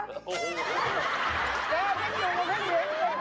โอ้โห